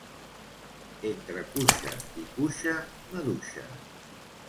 Entre cuixa i cuixa, maduixa.